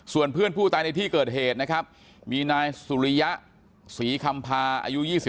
ส่วนเพื่อนผู้ตายในที่เกิดเหตุนะครับมีนายสุริยะศรีคำพาอายุ๒๕